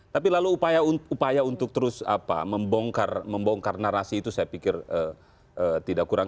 tapi lalu upaya untuk terus membongkar narasi itu saya pikir tidak kurang